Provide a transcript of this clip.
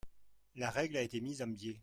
La règle a été mise en biais.